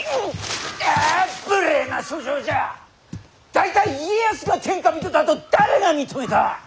大体家康が天下人だと誰が認めた！